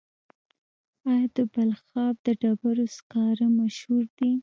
آیا د بلخاب د ډبرو سکاره مشهور دي؟